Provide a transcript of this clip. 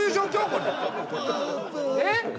これえっ？